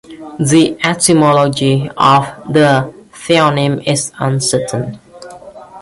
The etymology of the theonym is uncertain.